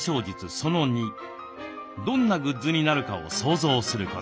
その２どんなグッズになるかを想像すること。